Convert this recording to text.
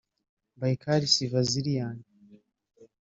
Baykar Sivazliyan